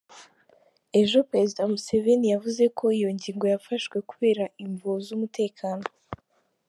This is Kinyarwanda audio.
Ejo prezida Museveni yavuze ko iyo ngingo yafashwe kubera imvo z’umutekano.